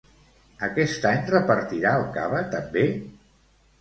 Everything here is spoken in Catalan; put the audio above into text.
Aquest any repartirà el cava també?